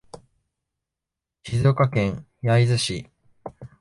静岡県焼津市